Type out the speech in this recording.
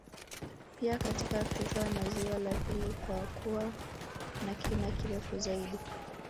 Pia katika Afrika ni ziwa la pili kwa kuwa na kina kirefu zaidi